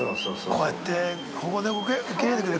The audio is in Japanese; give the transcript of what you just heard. こうやって。